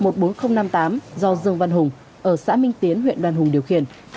do dương văn hùng ở xã minh tiến huyện đoàn hùng điều khiển